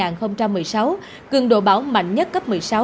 năm hai nghìn một mươi sáu cường độ bão mạnh nhất cấp một mươi sáu